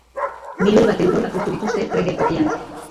Milioi bat euro lapurtu dituzte tren geltokian